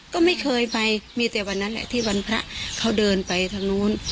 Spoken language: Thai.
ก็ไม่เคยไปมีแต่วันนั้นแหละที่วันพระเขาเดินไปทางนู้น